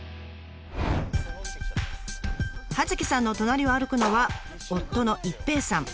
葉月さんの隣を歩くのは夫の一平さん。